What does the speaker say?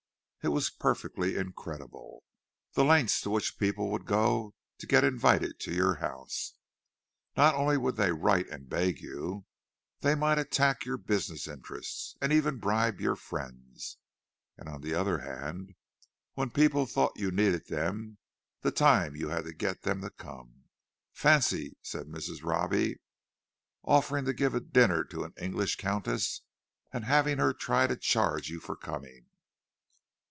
It was perfectly incredible, the lengths to which people would go to get invited to your house; not only would they write and beg you, they might attack your business interests, and even bribe your friends. And on the other hand, when people thought you needed them, the time you had to get them to come! "Fancy," said Mrs. Robbie, "offering to give a dinner to an English countess, and having her try to charge you for coming!"